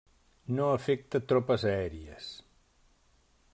No afecta tropes aèries.